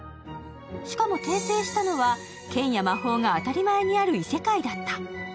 しかも、転生したのは剣や魔法が当たり前にある異世界だった。